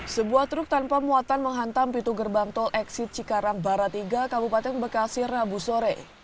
sebuah truk tanpa muatan menghantam pintu gerbang tol eksit cikarang barat tiga kabupaten bekasi rabu sore